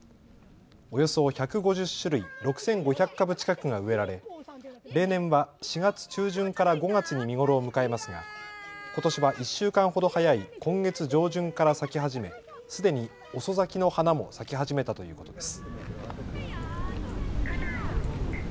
およそ１５０種類６５００株近くが植えられ、例年は４月中旬から５月に見頃を迎えますがことしは１週間ほど早い今月上旬から咲き始めすでに遅咲きの花も咲き始めたということです。